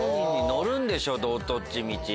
乗るんでしょどっちみち。